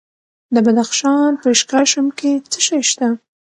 د بدخشان په اشکاشم کې څه شی شته؟